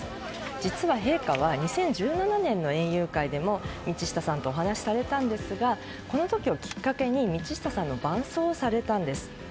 実は陛下は２０１７年の園遊会でも道下さんとお話しされたんですがこの時をきっかけに道下さんの伴走をされたんです。